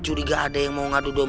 suara apaan tuh